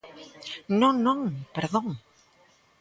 ¡Non, non, perdón!